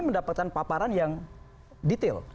mendapatkan paparan yang detail